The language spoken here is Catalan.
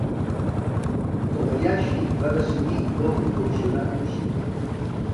Kobayashi va decidir no proporcionar cursiva.